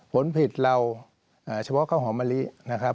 ผลผิดเราเฉพาะข้าวหอมมะลินะครับ